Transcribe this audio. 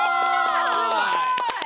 すごい！